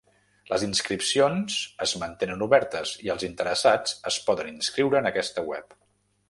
Les inscripcions es mantenen obertes, i els interessats es poden inscriure en aquesta web.